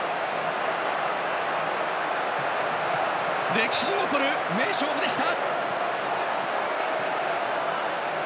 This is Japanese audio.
歴史に残る名勝負でした！